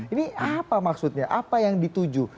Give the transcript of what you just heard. ini apa maksudnya apa yang dituju